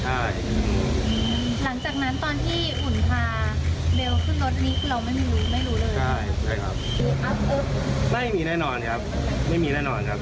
ใช่ครับไม่มีแน่นอนครับไม่มีแน่นอนครับ